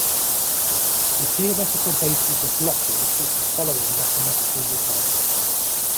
The theoretical basis of blocking is the following mathematical result.